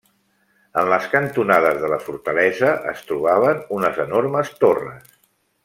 En les cantonades de la fortalesa es trobaven unes enormes torres.